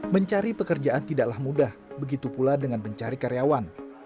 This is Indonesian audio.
mencari pekerjaan tidaklah mudah begitu pula dengan pencari karyawan